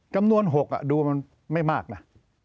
จำนวน๖ดูมันไม่มากนะ